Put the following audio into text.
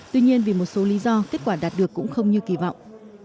tuy nhiên vì một số lý do kết quả đạt được cũng không như kỳ vọng